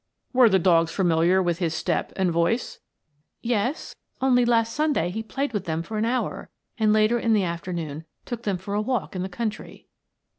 "Were the dogs familiar with his step and voice?" "Yes. Only last Sunday he played with them for an hour, and later in the afternoon took them for a walk in the country."